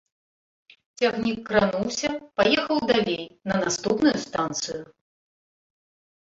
Цягнік крануўся, паехаў далей на наступную станцыю.